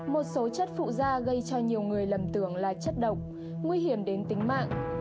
một số chất phụ da gây cho nhiều người lầm tưởng là chất độc nguy hiểm đến tính mạng